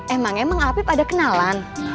emang emang apip ada kenalan